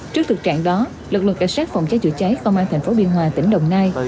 trước thực trạng đó lực lượng cảnh sát phòng cháy chữa cháy công an thành phố biên hòa tỉnh đồng nai